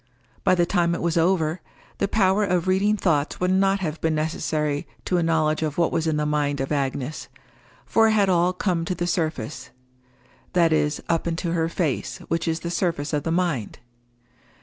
By the time it was over, the power of reading thoughts would not have been necessary to a knowledge of what was in the mind of Agnes, for it had all come to the surface—that is up into her face, which is the surface of the mind.